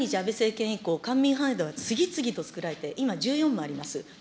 第２次安倍政権以降、官民ファンドは次々と作られて、今１４もあります。